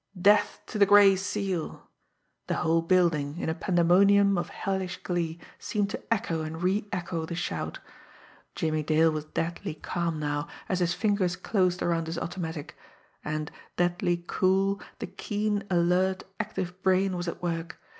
"Death to the Gray Seal!" The whole building, in a pandemonium of hellish glee, seemed to echo and reecho the shout. Jimmie Dale was deadly calm now, as his fingers closed around his automatic and, deadly cool, the keen, alert, active brain was at work.